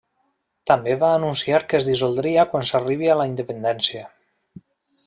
També va anunciar que es dissoldria quan s'arribi a la independència.